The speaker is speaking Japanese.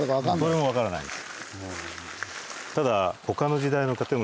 それも分からないんです。